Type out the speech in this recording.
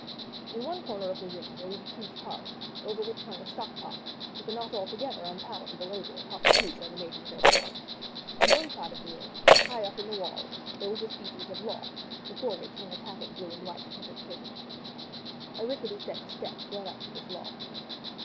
In one corner of the room there was a huge hearth, over which hung a stock pot, with a not altogether unpalatable odour of hot soup emanating therefrom. On one side of the room, high up in the wall, there was a species of loft, before which hung a tattered blue and white checked curtain. A rickety set of steps led up to this loft.